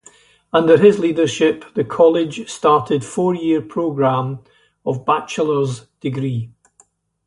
Under his leadership the college started four-year program of bachelor's degree.